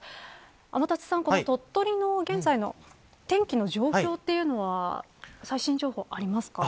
天達さん、鳥取の現在の天気の状況というのは最新情報ありますか。